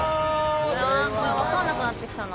［何かわかんなくなってきたな］